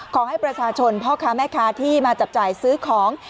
ขอให้ประชาชนพ่อค้าแม่ค้าที่มาจับจ่ายซื้อของ